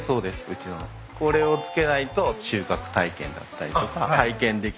これを着けないと収穫体験だったりとか体験できません。